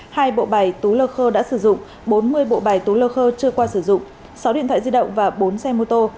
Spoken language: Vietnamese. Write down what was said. hai bộ bài tú lơ khơ đã sử dụng bốn mươi bộ bài tú lơ khơ chưa qua sử dụng sáu điện thoại di động và bốn xe mô tô